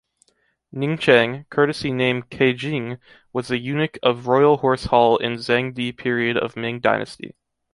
Ningcheng, courtesy name Kejing, was the eunuch of Royal Horse Hall in Zhengde period of Ming Dynasty.